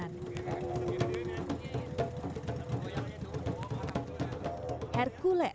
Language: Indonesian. dari dunia dari seluruh dunia